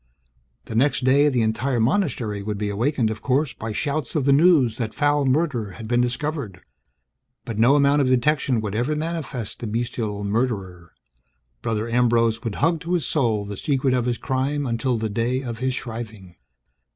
The next day, the entire monastery would be awakened, of course, by shouts of the news that foul murder had been discovered. But no amount of detection would ever manifest the bestial murderer. Brother Ambrose would hug to his soul the secret of his crime until the day of his shriving.